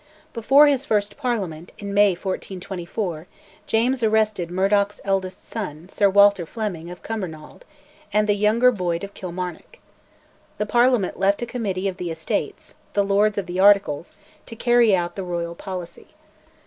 Before his first Parliament, in May 1424, James arrested Murdoch's eldest son, Sir Walter Fleming of Cumbernauld, and the younger Boyd of Kilmarnock. The Parliament left a Committee of the Estates ("The Lords of the Articles") to carry out the royal policy.